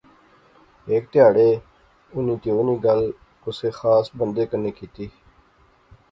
ہیک تہاڑے اُنی تہوں نی گل کُسے خاص بندے کنے کیتی